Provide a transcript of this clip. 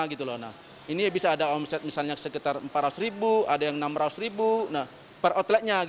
nah ini bisa ada omset misalnya sekitar empat ratus ribu ada yang rp enam ratus ribu per outletnya